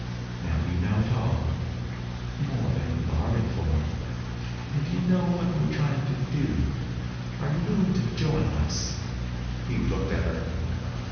Now you know it all more than you bargained for. And you know what we're trying to do. Are you willing to join us?" He looked at her.